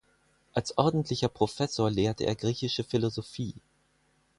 Als ordentlicher Professor lehrte er griechische Philosophie.